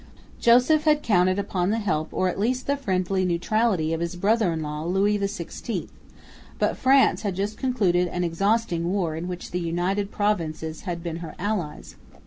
Joseph had counted upon the help or at least the friendly neutrality of his brother in law, Louis XVI, but France had just concluded an exhausting war in which the United Provinces had been her allies.